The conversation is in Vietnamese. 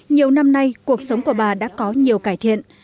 nhiều năm nay cuộc sống của bà đã có nhiều cải thiện